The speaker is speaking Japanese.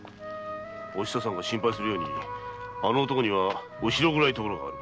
お久さんが心配するようにあの男には後ろ暗いところがある。